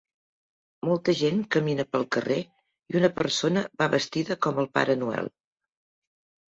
Molta gent camina pel carrer i una persona va vestida com el Pare Noel.